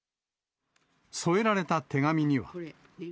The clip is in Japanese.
添えられた手紙には。